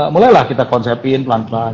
mulailah kita konsepin pelan pelan